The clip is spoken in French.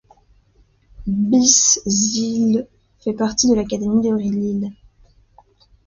Bissezeele fait partie de l'académie de Lille.